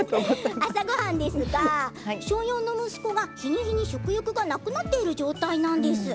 朝ごはんですが小４の息子が日に日に食欲がなくなっている状態なんです。